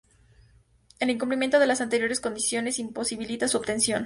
El incumplimiento de las anteriores condiciones imposibilita su obtención.